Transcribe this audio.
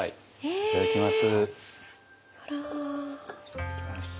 いただきます。